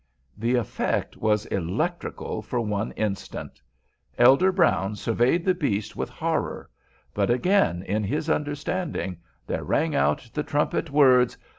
The effect was electrical for one instant. Elder Brown surveyed the beast with horror, but again in his understanding there rang out the trumpet words.